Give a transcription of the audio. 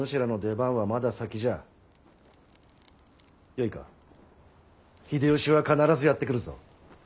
よいか秀吉は必ずやって来るぞ。